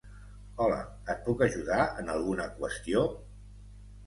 Hola, et puc ajudar en alguna qüestió?